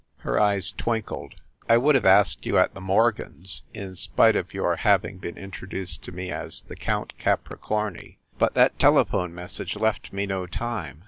Her eyes twinkled. "I would have asked you at the Morgans , in spite of your having been intro duced to me as the Count Capricorni but that tele phone message left me no time.